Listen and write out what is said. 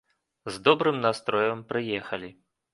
З добрым настроем прыехалі.